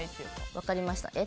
分かりました。